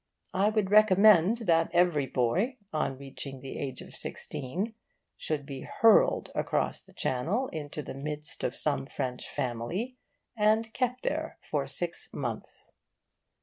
I would recommend that every boy, on reaching the age of sixteen, should be hurled across the Channel into the midst of some French family and kept there for six months.